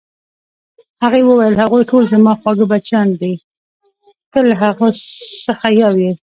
هغې وویل: هغوی ټول زما خواږه بچیان دي، ته له هغو څخه یو یې.